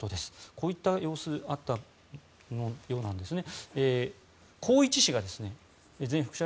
こういった様子があったようなんですね。